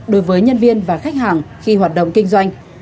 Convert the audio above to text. đối với nhân viên và khách hàng khi hoạt động kinh doanh